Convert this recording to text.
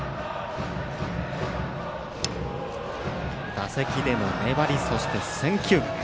打席での粘りそして選球眼。